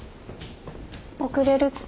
遅れるって。